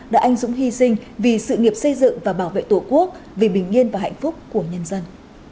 đã anh dũng hy sinh vì sự nghiệp xây dựng và bảo vệ tổ quốc vì bình yên và hạnh phúc của nhân dân